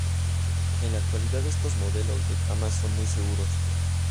En la actualidad estos modelos de cama son muy seguros.